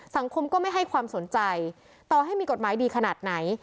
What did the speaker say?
สังคมก็ไม่ให้ความสนใจต่อให้มีกฎหมายดีขนาดไหน